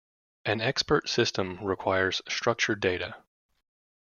An expert system requires structured data.